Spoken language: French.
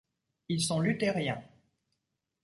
Ils sont Luthériens.